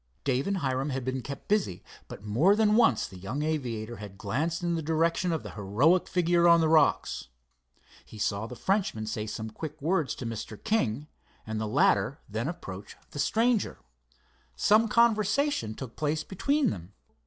Dave and Hiram had been kept busy, but more than once the young aviator had glanced in the direction of the heroic figure on the rocks. He saw the Frenchman say some quick words to Mr. King, and the latter then approach the stranger. Some conversation took place between them.